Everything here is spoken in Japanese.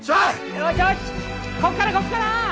よしよしこっからこっから！